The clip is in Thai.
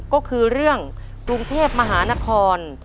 ก็คือเรื่องกรุงเทพมหานคร